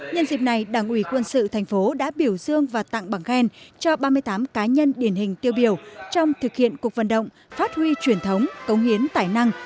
nhân dịp này đảng uỷ quân sự tp hcm đã biểu dương và tặng bảng khen cho ba mươi tám cá nhân điển hình tiêu biểu trong thực hiện cuộc vận động phát huy truyền thống cống hiến tài năng